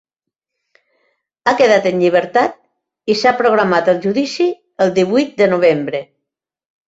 Ha quedat en llibertat i s’ha programat el judici el divuit de novembre.